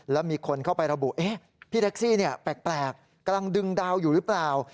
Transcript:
แล้วมีคนเข้าไประบุพี่แท็กซี่แปลกกำลังดึงดาวอยู่หรือเปล่า